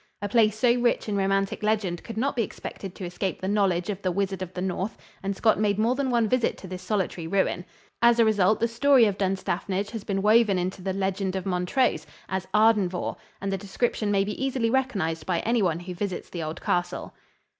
A place so rich in romantic legend could not be expected to escape the knowledge of the Wizard of the North and Scott made more than one visit to this solitary ruin. As a result the story of Dunstafnage has been woven into the "Legend of Montrose" as "Ardenvohr" and the description may be easily recognized by any one who visits the old castle.